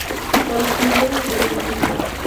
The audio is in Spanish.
Orquídea epífita.